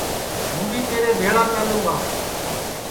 ہوں بی تیرے بھیݪا چالوں گا